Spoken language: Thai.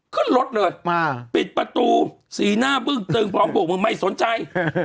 ขึ้นรถเลยมาปิดประตูสีหน้าบึ้งตึงพร้อมบวกมึงไม่สนใจ